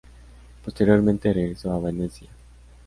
Posteriormente regresó a Venecia.